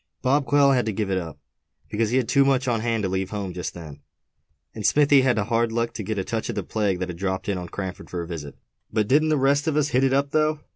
Bob Quail had to give it up, because he had too much on hand to leave home just then; and Smithy had the hard luck to get a touch of the plague that had dropped in on Cranford for a visit; but didn't the rest of us hit it up, though?"